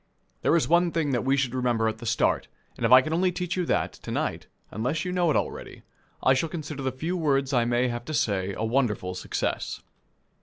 There is one thing that we should remember at the start, and if I can only teach you that, to night unless you know it already I shall consider the few words I may have to say a wonderful success.